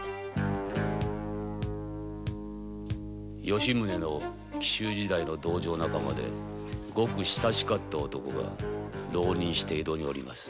吉宗の紀州時代の道場仲間でごく親しかった男が浪人して江戸に居ります。